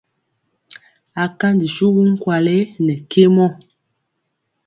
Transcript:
Akanji suwu nkwale nɛ kemɔ.